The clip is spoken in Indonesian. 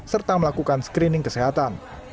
serta melakukan screening kesehatan